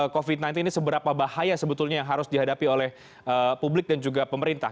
covid sembilan belas ini seberapa bahaya sebetulnya yang harus dihadapi oleh publik dan juga pemerintah